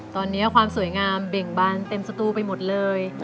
ตอนนี้ความสวยงามเบ่งบานเต็มสตูไปหมดเลย